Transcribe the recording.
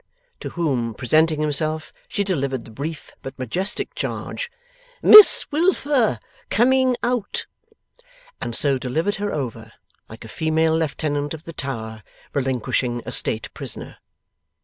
To whom presenting himself, she delivered the brief but majestic charge, 'Miss Wilfer. Coming out!' and so delivered her over, like a female Lieutenant of the Tower relinquishing a State Prisoner.